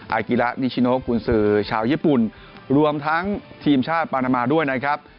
อากิระนิชิโนกุญสือชาวญี่ปุ่นรวมทั้งทีมชาติปานามาด้วยนะครับ